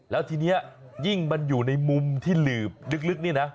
แล้วทีนี้ยิ่งมันอยู่ในมุมที่หลืบลึกนี่นะ